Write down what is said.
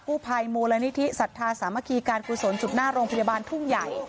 ภัยมูลนิธิสัทธาสามัคคีการกุศลจุดหน้าโรงพยาบาลทุ่งใหญ่